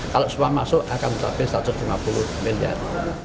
kalau supa masuk akan mencapai satu ratus lima puluh miliar